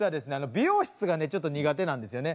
美容室がちょっと苦手なんですよね。